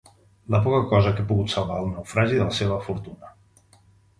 La poca cosa que he pogut salvar del naufragi de la seva fortuna.